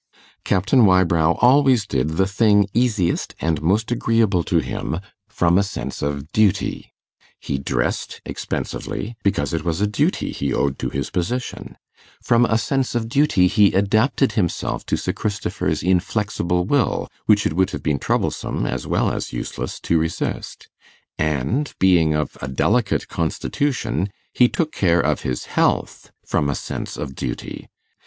Captain Wybrow always did the thing easiest and most agreeable to him from a sense of duty: he dressed expensively, because it was a duty he owed to his position; from a sense of duty he adapted himself to Sir Christopher's inflexible will, which it would have been troublesome as well as useless to resist; and, being of a delicate constitution, he took care of his health from a sense of duty.